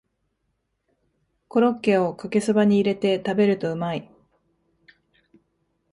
コロッケをかけそばに入れて食べるとうまい